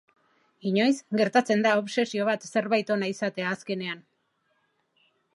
Inoiz, gertatzen da obsesio bat zerbait ona izatea azkenean.